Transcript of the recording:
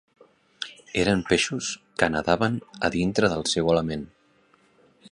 Eren peixos que nadaven a dintre del seu element.